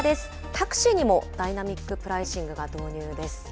タクシーにもダイナミックプライシングが導入です。